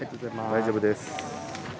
大丈夫です。